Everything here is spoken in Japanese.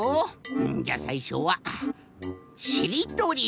うんじゃあさいしょは「しりとり」。